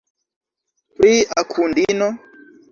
Pri Akundino?